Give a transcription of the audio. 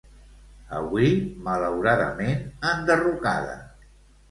avui malauradament enderrocada